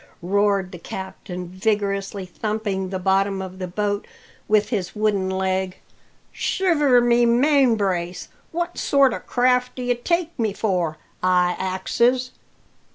roared the captain, vigorously thumping the bottom of the boat with his wooden leg. "Shiver my main brace! what sort o' craft do ye take me for, I axes?